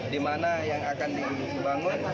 dimana yang akan dibangun